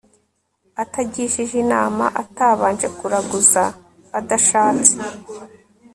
atagishije inama, atabanje kuraguza, adashatse